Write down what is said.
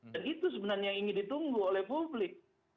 dan itu sebenarnya yang ingin ditunggu oleh publik